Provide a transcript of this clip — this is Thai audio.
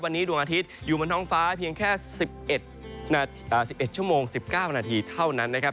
วันนี้ดวงอาทิตย์อยู่บนท้องฟ้าเพียงแค่๑๑ชั่วโมง๑๙นาทีเท่านั้นนะครับ